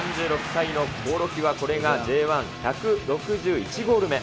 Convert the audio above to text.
３６歳の興梠はこれがＪ１、１６１ゴール目。